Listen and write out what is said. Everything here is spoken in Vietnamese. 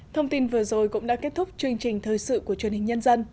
thông tin vừa rồi cũng đã kết thúc chương trình thời sự của truyền hình nhân dân